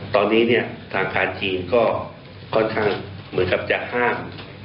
ตอนนี้เนี่ยทางการจีนก็ค่อนข้างเหมือนกับจะห้าม